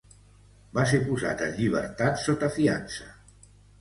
Va ser posat en llibertat sota fiança.